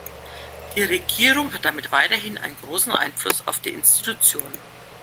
Die Regierung hat damit weiterhin einen großen Einfluss auf die Institution.